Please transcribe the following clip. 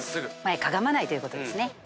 前かがまないということですね。